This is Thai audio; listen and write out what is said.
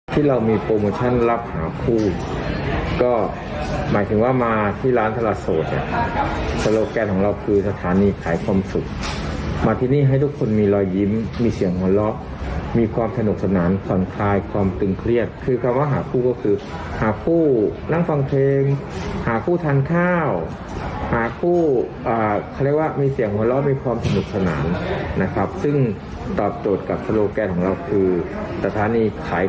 ที่เรามีโปรโมชั่นรับหาผู้ก็หมายถึงว่ามาที่ร้านทราสโสดอ่ะครับโปรโมชั่นรับหาผู้ก็หมายถึงว่ามาที่ร้านทราสโสดอ่ะครับโปรโมชั่นรับหาผู้ก็หมายถึงว่ามาที่ร้านทราสโสดอ่ะครับโปรโมชั่นรับหาผู้ก็หมายถึงว่ามาที่ร้านทราสโสดอ่ะครับโปรโมชั่นรับหาผู้ก็หมายถึงว่ามาที่ร้านท